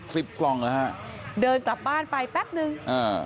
สิบกล่องหรอฮะเดินกลับบ้านไปแป๊บหนึ่งเออ